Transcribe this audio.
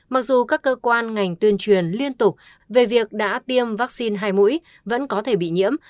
mặc dù các cơ quan ngành tuyên truyền liên tục về việc đã tiêm vaccine hai mũi vẫn có thể bị nhiễm